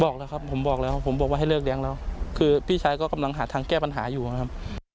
บอกแล้วครับผมบอกแล้วผมบอกว่าให้เลิกเลี้ยงแล้วคือพี่ชายก็กำลังหาทางแก้ปัญหาอยู่นะครับ